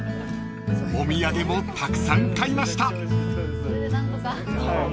［お土産もたくさん買いました］